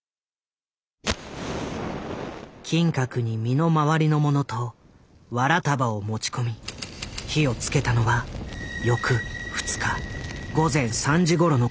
金閣に身の回りのものとわら束を持ち込み火をつけたのは翌２日午前３時ごろのことだった。